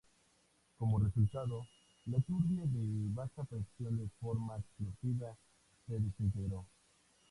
Como resultado, la turbina de baja presión de forma explosiva se desintegró.